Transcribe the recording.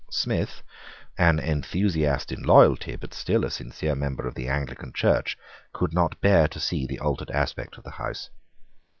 Smith, an enthusiast in loyalty, but still a sincere member of the Anglican Church, could not bear to see the altered aspect of the house.